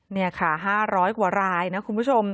นี่ค่ะ๕๐๐กว่าลายนะครับ